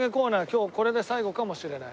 今日これで最後かもしれない。